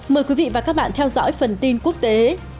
mời quý vị và các bạn theo dõi phần tin quốc tế